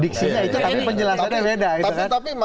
diksinya itu penjelasannya beda